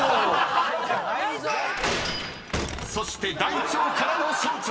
［そして「大腸」からの「小腸」！］